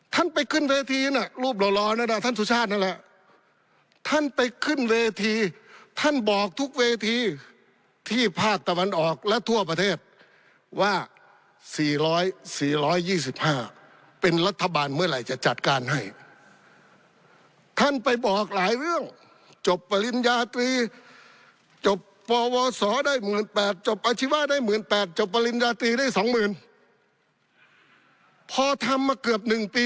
ท่านไปขึ้นเวทีน่ะรูปหล่อนั่นน่ะท่านสุชาตินั่นแหละท่านไปขึ้นเวทีท่านบอกทุกเวทีที่ภาคตะวันออกและทั่วประเทศว่า๔๐๐๔๒๕เป็นรัฐบาลเมื่อไหร่จะจัดการให้ท่านไปบอกหลายเรื่องจบปริญญาตรีจบปวสอได้๑๘๐๐จบอาชีวะได้๑๘๐๐จบปริญญาตรีได้สองหมื่นพอทำมาเกือบ๑ปี